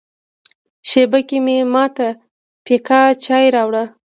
شېبه کې یې ما ته پیکه چای راوړ.